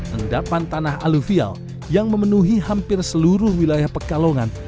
endapan tanah aluvial yang memenuhi hampir seluruh wilayah pekalongan